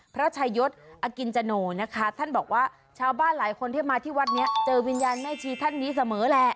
พระชายศอกินจโนนะคะท่านบอกว่าชาวบ้านหลายคนที่มาที่วัดนี้เจอวิญญาณแม่ชีท่านนี้เสมอแหละ